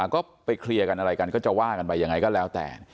ก็ไปเคลียร์กันอะไรกันก็จะว่ากันไปยังไงก็แล้วแต่